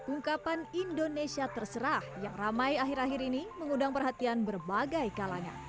ungkapan indonesia terserah yang ramai akhir akhir ini mengundang perhatian berbagai kalangan